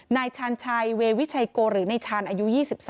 นายชาญชัยเววิชัยโกหรือนายชาญอายุ๒๓